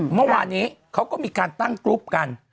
เมื่อวานนี้เขาก็มีการตั้งกรุ๊ปกัน